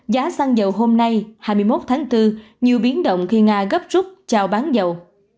giá xăng dầu hôm nay hai mươi một tháng bốn nhiều biến động khi nga gấp rút trao bán dầu